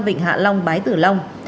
vịnh hạ long bái tử long